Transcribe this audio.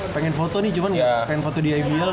pengen foto nih cuman ya pengen foto di ibl